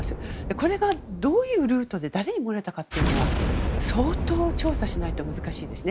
これがどういうルートで誰に漏れたかというのは相当調査しないと難しいですね。